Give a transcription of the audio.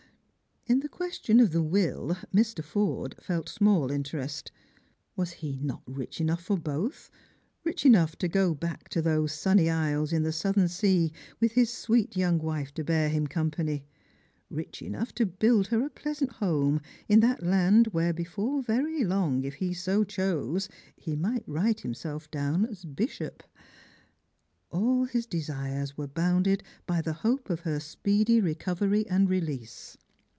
In the question of the will Mr. Forde felt small interest. Was he not rich enough for both, rich enough to go back to those sunny isles in the Southern Sea with his sweet young wife to bear him company ; rich enough to build her a pleasant home in that land where before very long, if he so chose, he might write himself down Bishop ? All his desires were bounded by the hope of her speedy recovery and release.